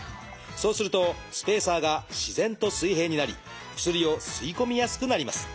そうするとスペーサーが自然と水平になり薬を吸い込みやすくなります。